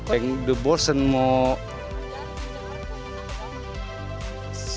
yang udah bosan mau